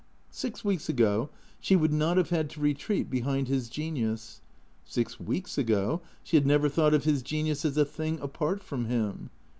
Six weeks ago she would not have had to retreat behind his genius. Six weeks ago she had never thought of his genius as a thing apart from him.